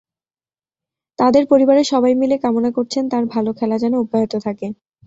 তাঁদের পরিবারের সবাই মিলে কামনা করছেন তাঁর ভালো খেলা যেন অব্যাহত থাকে।